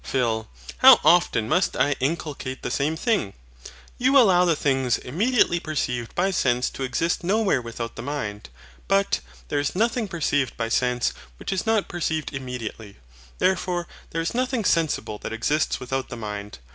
PHIL. How often must I inculcate the same thing? You allow the things immediately perceived by sense to exist nowhere without the mind; but there is nothing perceived by sense which is not perceived immediately: therefore there is nothing sensible that exists without the mind.